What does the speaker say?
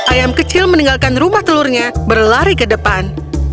ayam kecil meninggalkan rumah telurnya berlari ke depan